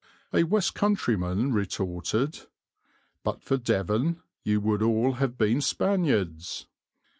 A west countryman retorted, "But for Devon you would all have been Spaniards."